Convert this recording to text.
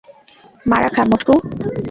মারা খা মোটকু।